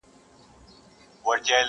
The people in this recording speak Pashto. او د چڼچڼو شورماشور کي به د زرکو آواز!.